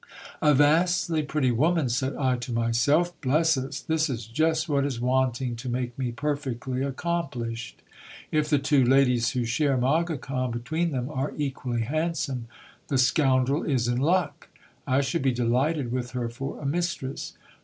A vastly pretty woman ! said I to myself, bless us ! this is just what is wanting to make me perfectly accomplished. If the two ladies who share Mogicon between them are equally handsome, the scoundrel is in luck ! I should be delighted with her for a mistress.